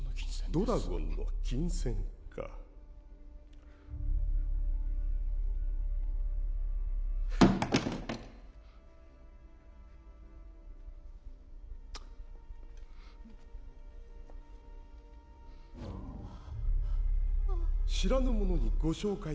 ドラゴンの琴線か知らぬ者にご紹介